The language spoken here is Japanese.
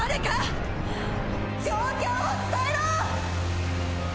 状況を伝えろ！